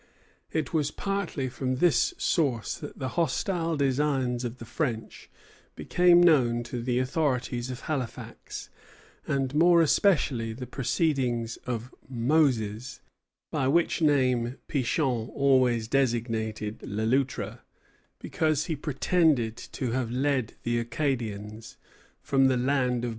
It was partly from this source that the hostile designs of the French became known to the authorities of Halifax, and more especially the proceedings of "Moses," by which name Pichon always designated Le Loutre, because he pretended to have led the Acadians from the land of bondage.